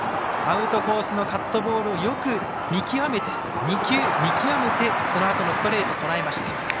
アウトコースのカットボールを２球、よく見極めてそのあとのストレートをとらえました。